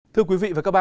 thưa quý vị